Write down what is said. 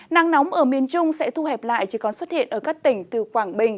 nắng nóng ở miền trung sẽ thu hẹp lại chỉ còn xuất hiện ở các tỉnh từ quảng bình